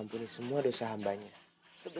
mereka akan membuat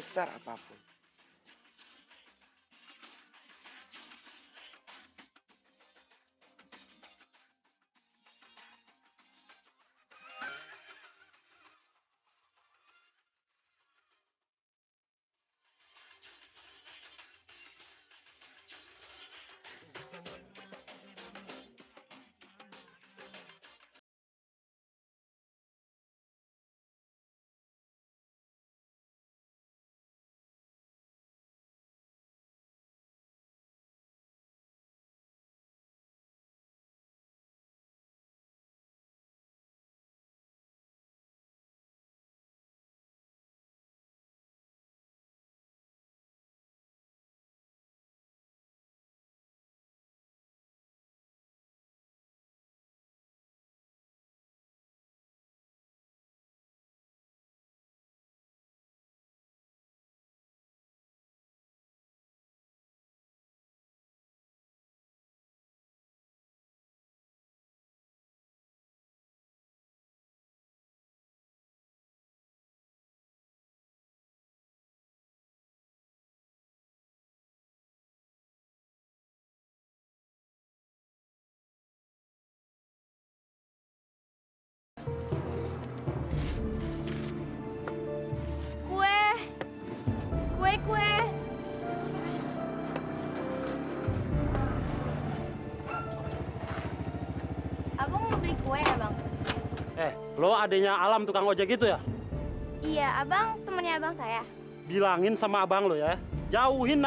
kita lebih susah